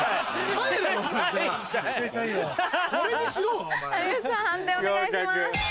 判定お願いします。